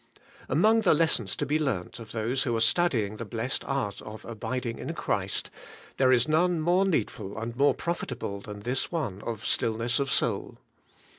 Among the lessons to be learnt of those who are studying the blessed art of abiding in Christ, there is none more needful and more profitable than this one of stillness of soul.